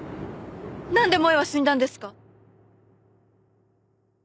なんで萌絵は死んだんですか？